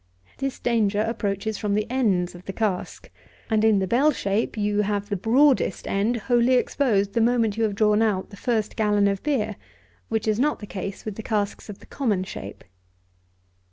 This danger approaches from the ends of the cask; and, in the bell shape, you have the broadest end wholly exposed the moment you have drawn out the first gallon of beer, which is not the case with the casks of the common shape.